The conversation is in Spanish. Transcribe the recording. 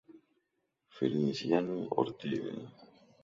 Feliciano Ortega.